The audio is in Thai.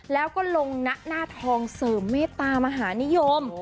แล้วก็ลงนะหน้าทองเสริมเมตตามหานิยม